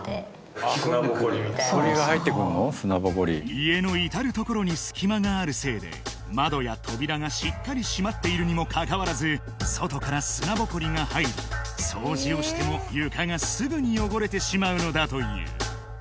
家の至る所に隙間があるせいで窓や扉がしっかり閉まっているにもかかわらず外から砂ぼこりが入り掃除をしても床がすぐに汚れてしまうのだという